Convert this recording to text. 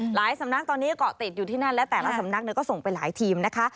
สำนักตอนนี้เกาะติดอยู่ที่นั่นและแต่ละสำนักก็ส่งไปหลายทีมนะคะ